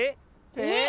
えっ？